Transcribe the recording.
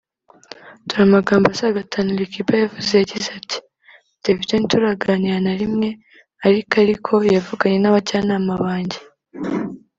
dore amagambo asaga atantu alikiba yavuze yagize ati “ Davido ntituraganira na rimwe ariko ariko yavuganye n’abajyanama banjye